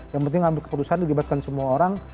yang penting ngambil keputusan dilibatkan semua orang